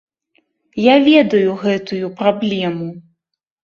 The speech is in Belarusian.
Я ведаю гэтую праблему.